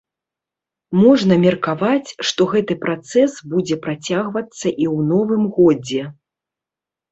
Можна меркаваць, што гэты працэс будзе працягвацца і ў новым годзе.